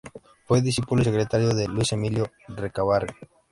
Fue discípulo y secretario de Luis Emilio Recabarren.